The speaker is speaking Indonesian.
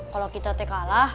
kalau kita t kalah